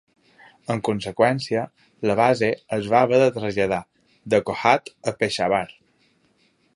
En conseqüència, la base es va haver de traslladar, de Kohat a Peshawar.